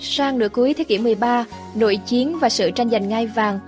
sang nửa cuối thế kỷ một mươi ba nội chiến và sự tranh giành ngai vàng